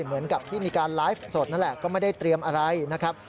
เหมือนกับที่มีการไลฟ์สดนั่นแหละก็ไม่ได้เตรียมอะไรนะครับ